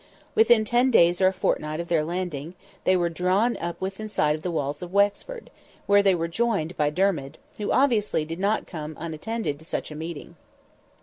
Within ten days or a fortnight of their landing, they were drawn up within sight of the walls of Wexford, where they were joined by Dermid, who obviously did not come unattended to such a meeting.